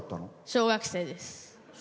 小学生です。